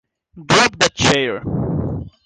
Drop that chair!